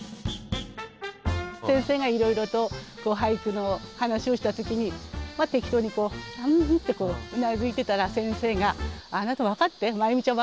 先生がいろいろと俳句の話をした時に適当にこううんうんってうなずいてたら先生が「あなた分かってまゆみちゃん分かって言ってるの？」と。